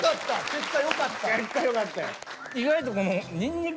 結果よかったよ。